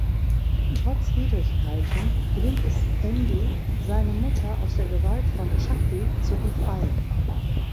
Trotz Widrigkeiten gelingt es Andy seine Mutter aus der Gewalt von Chucky zu befreien.